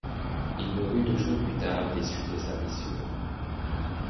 Il mourut deux jours plus tard des suites de sa blessure.